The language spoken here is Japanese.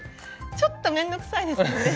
ちょっとめんどくさいですよね。